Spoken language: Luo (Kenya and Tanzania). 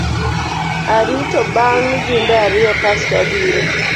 Arito bang’ jumbe ariyo kasto abiro.